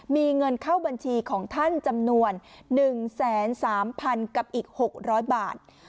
มีเงินเข้าบัญชีของท่านจำนวน๑๓๐๐๐กับอีก๖๐๐บาท